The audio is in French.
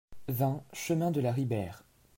vingt chemin de la Ribeyre